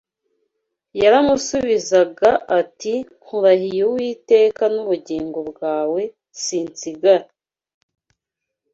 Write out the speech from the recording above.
yaramusubizaga ati: “Nkurahiye Uwiteka n’ubugingo bwawe, sinsigara.